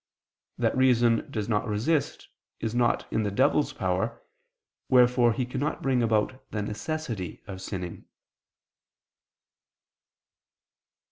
That reason does not resist, is not in the devil's power; wherefore he cannot bring about the necessity of sinning.